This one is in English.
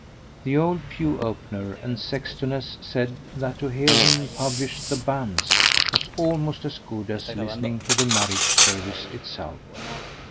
The old pew opener and sextoness said that to hear him publish the banns was almost as good as listening to the marriage service itself.